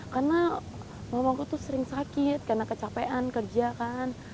karena mamaku tuh sering sakit karena kecapean kerja kan